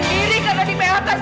dan kamu akan mendapatkan pembalasan